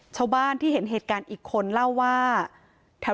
ชาวบ้านที่เห็นเหตุการณ์อีกคนเล่าว่าแถว